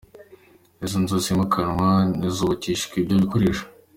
Izo nzu zimukanwa ruzubakisha ibyo bikoresho.